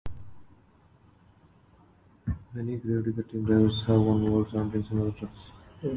Many Grave Digger team drivers have won world championships in other trucks.